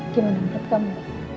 gimana menurut kamu